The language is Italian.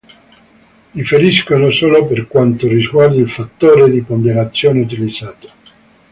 Differiscono solo per quanto riguarda il fattore di ponderazione utilizzato.